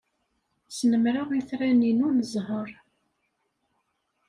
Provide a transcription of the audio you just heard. Snemmreɣ itran-inu n zzheṛ.